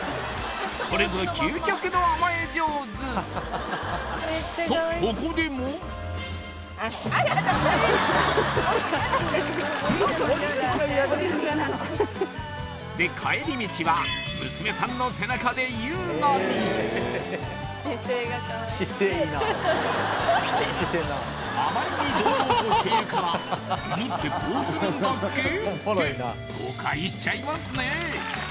これぞ究極の甘え上手とここでもあらららっで帰り道は娘さんの背中で優雅にあまりに堂々としているから犬ってこうするんだっけ？って誤解しちゃいますね